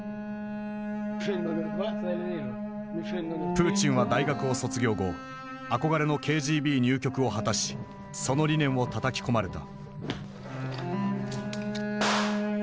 プーチンは大学を卒業後憧れのＫＧＢ入局を果たしその理念をたたき込まれた。